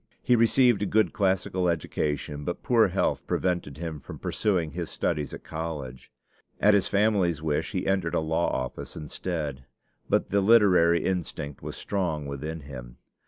He received a good classical education; but poor health prevented him from pursuing his studies at college. At his family's wish he entered a law office instead; but the literary instinct was strong within him.